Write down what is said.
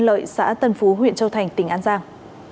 lợi xã tân phú huyện châu thành tỉnh an giang